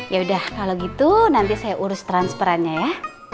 yaudah kalo gitu nanti saya urus transferannya ya